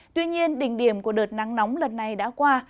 tuy nhiên đỉnh điểm của đợt nắng nóng lần này đã qua